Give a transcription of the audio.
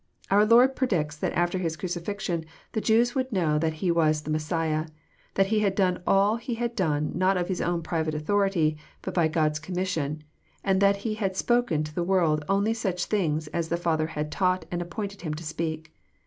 Our Lord predicts that after His crucifixion the Jews would know that He was the Messiah, that He had done all he had done not of Bis own private authority, but by God's commission, and that He had spoken to the world only such things as the Father had taught and app|olnted Him to speak.